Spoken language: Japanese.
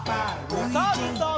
おさるさん。